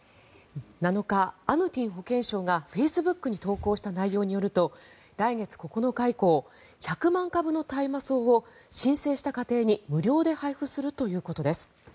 ７日、アヌティン保健相がフェイスブックに投稿した内容によりますと来月９日以降１００万株の大麻草を申請した家庭に無料で配布するということです。